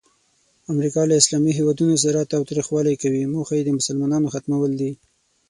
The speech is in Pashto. امریکا له اسلامي هیوادونو سره تاوتریخوالی کوي، موخه یې د مسلمانانو ختمول دي.